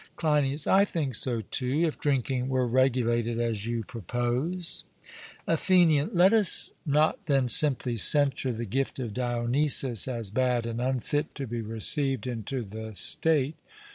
CLEINIAS: I think so too, if drinking were regulated as you propose. ATHENIAN: Let us not then simply censure the gift of Dionysus as bad and unfit to be received into the State.